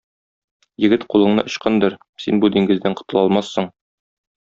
Егет, кулыңны ычкындыр, син бу диңгездән котыла алмассың.